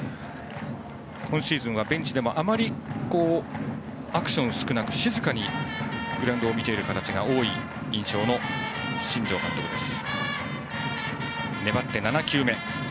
今シーズンはベンチでもあまりアクション少なく静かにグラウンドを見ている形が多い印象の新庄監督です。